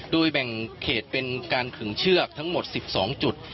โดยแบ่งเขตเป็นการขึงเชือกทั้งหมด๑๒จุด